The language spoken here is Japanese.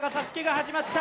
ＳＡＳＵＫＥが始まった。